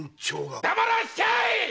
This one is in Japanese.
黙らっしゃい‼